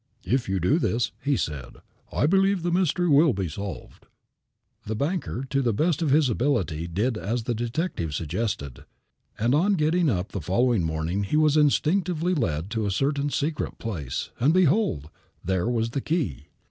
"If you do this," he said, "I believe the mystery will be solved." The banker, to the best of his ability, did as the detective suggested, and on getting up the following morning he was instinctively led to a certain secret place, and, behold, there was the key.